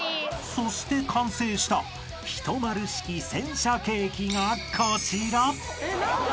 ［そして完成した１０式戦車ケーキがこちら］